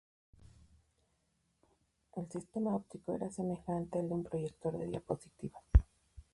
El sistema óptico era semejante al de un proyector de diapositivas.